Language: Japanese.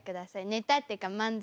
ネタっていうか漫才。